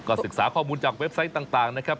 ศึกษาข้อมูลจากเว็บไซต์ต่างนะครับ